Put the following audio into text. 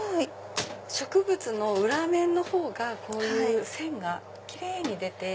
植物の裏面のほうがこういう線がキレイに出て。